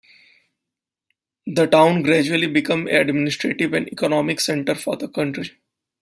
The town gradually became an administrative and economic centre for the country.